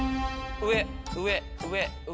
上上上上。